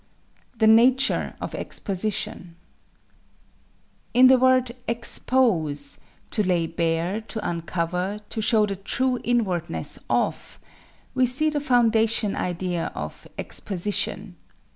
The Nature of Exposition In the word "expose" to lay bare, to uncover, to show the true inwardness of we see the foundation idea of "Exposition."